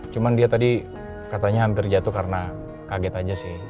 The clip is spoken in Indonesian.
cuma dia tadi katanya hampir jatuh karena kaget aja sih